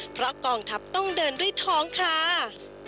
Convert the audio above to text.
เพราะกองทัพต้องเดินด้วยท้องค่ะ